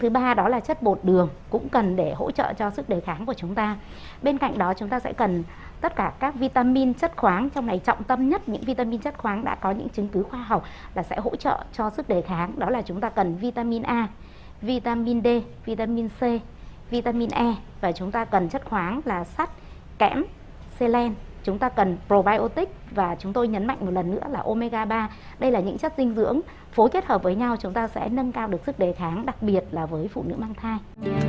bên cạnh đó chúng ta sẽ cần tất cả các vitamin chất khoáng trong này trọng tâm nhất những vitamin chất khoáng đã có những chứng cứ khoa học là sẽ hỗ trợ cho sức đề kháng đó là chúng ta cần vitamin a vitamin d vitamin c vitamin e và chúng ta cần chất khoáng là sắt kẽm selen chúng ta cần probiotic và chúng tôi nhấn mạnh một lần nữa là omega ba đây là những chất dinh dưỡng phối kết hợp với nhau chúng ta sẽ nâng cao được sức đề kháng đặc biệt là với phụ nữ mang thai